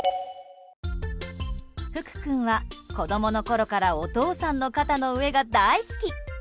ふく君は子供のころからお父さんの肩の上が大好き。